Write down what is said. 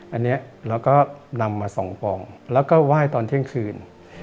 อันนี้เราก็นำมา๒ปองแล้วก็ไหว้ตอนเที่ยงคืน